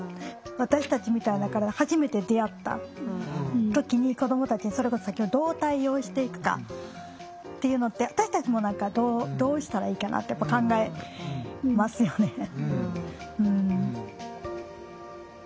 私たちみたいな体初めて出会った時に子どもたちにそれこそどう対応していくかっていうのって私たちも何かどうしたらいいかなってやっぱ考えますよね。